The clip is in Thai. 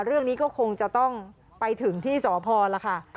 เรื่องนี้ก็คงจะต้องไปถึงที่สพแล้วค่ะ